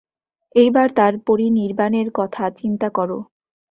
এইবার তাঁর পরিনির্বাণের কথা চিন্তা কর।